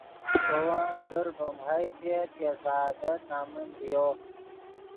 کو ون در ڤیم حیثیت یا سعادت نمن لیو